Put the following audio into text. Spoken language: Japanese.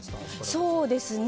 そうですね。